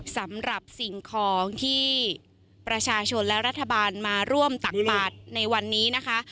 สำหรับสิ่งของที่ประชาชนและรัฐบาลมาร่วมตักบาดในวันนี้นะคะ